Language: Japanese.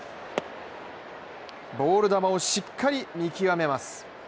ボール球をしっかり見極めます。